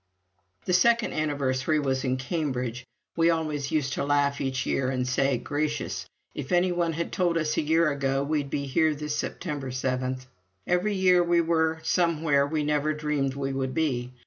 The second anniversary was in Cambridge. We always used to laugh each year and say: "Gracious! if any one had told us a year ago we'd be here this September seventh!" Every year we were somewhere we never dreamed we would be.